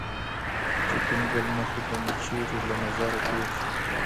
چي کوم ګل مخى به مي چيري له تظره تېر سو